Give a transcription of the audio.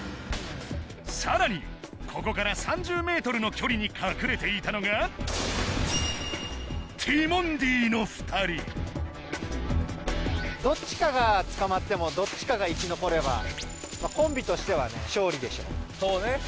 さらにここから３０ｍの距離に隠れていたのがティモンディの２人どっちかが捕まってもどっちかが生き残ればコンビとしてはね